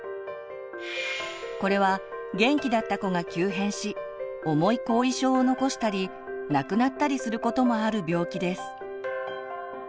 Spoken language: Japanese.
これは元気だった子が急変し重い後遺症を残したり亡くなったりすることもある病気です。